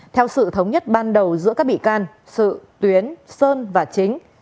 theo sự thống nhất ban đầu giữa các bị can sự tiến sơn và chính